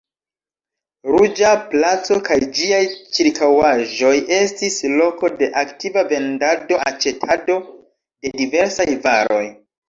Ruĝa placo kaj ĝiaj ĉirkaŭaĵoj estis loko de aktiva vendado-aĉetado de diversaj varoj.